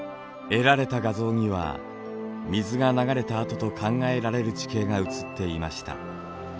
得られた画像には水が流れた跡と考えられる地形が映っていました。